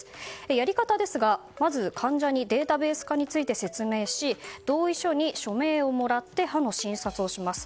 やり方は、まず患者にデータベース化について説明し同意書に署名をもらって歯の診察をします。